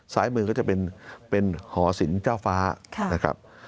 ซ้ายมือก็จะเป็นหอศิลป์เจ้าฟ้านะครับ